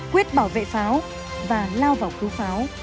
quyết bảo vệ pháo và lao vào cứu pháo